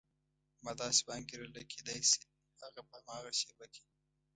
ما داسې وانګېرله کېدای شي هغه په هماغه شېبه کې.